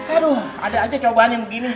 aduh ada aja cobaan yang begini